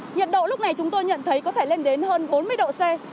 nhiệt độ lúc này chúng tôi nhận thấy có thể lên đến hơn bốn mươi độ c